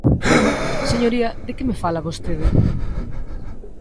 Señoría, ¿de que me fala vostede?